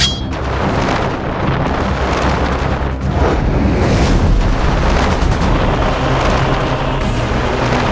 kau tidak bisa menangkap mereka sendiri